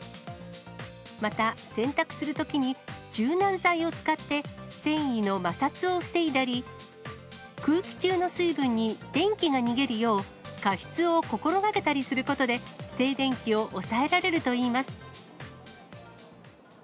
また、洗濯するときに柔軟剤を使って、繊維の摩擦を防いだり、空気中の水分に電気が逃げるよう、加湿を心がけたりすることで、静電気を抑えられるといいます。